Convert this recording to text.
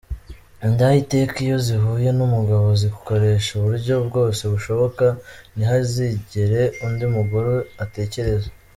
Indaya iteka iyo zihuye n’umugabo zikoresha uburyo bwose bushoboka ntihazigere undi mugore atekereza.